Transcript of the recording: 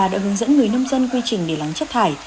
đã hướng dẫn người nông dân quy trình để lắng chất thải